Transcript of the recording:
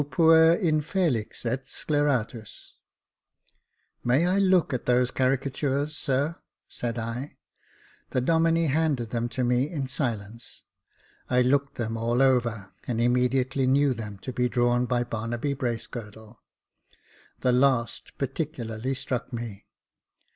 puer infelix et sceleratus I " "May I look at those caricatures, sir .''" said I. The Domine handed them to me in silence. I looked them all over, and immediately knew them to be drawn by Barnaby Bracegirdle. The last particularly struck me.